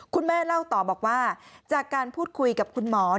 คุณแม่เล่าต่อบอกว่าจากการพูดคุยกับคุณหมอ